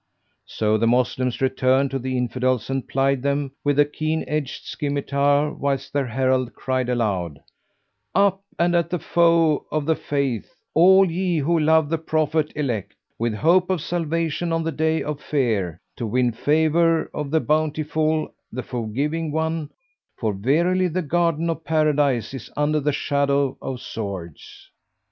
So the Moslems returned to the Infidels and plied them with the keen edged scymitar, whilst their herald cried aloud, "Up, and at the foes of the Faith, all ye who love the Prophet Elect, with hope of salvation on the Day of Fear, to win favour of the Bountiful, the Forgiving One; for verily the Garden of Paradise is under the shadow of swords!"